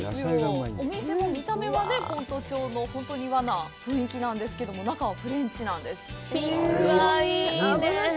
見た目は先斗町の本当に和な雰囲気なんですけど、中はフレンチなんです。